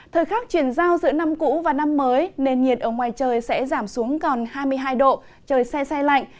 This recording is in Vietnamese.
thời khắc chuyển giao giữa năm cũ và năm mới nền nhiệt ở ngoài trời sẽ giảm xuống còn hai mươi hai độ trời xe xe lạnh